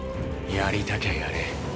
やりたきゃやれ。